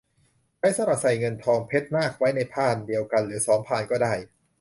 ใช้สำหรับใส่เงิน ทอง เพชร นาค ไว้ในพานเดียวกัน หรือ สอง พานก็ได้